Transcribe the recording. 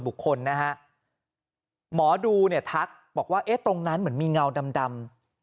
นะฮะหมอดูเนี่ยทักบอกว่าเอ๊ะตรงนั้นเหมือนมีเงาดำ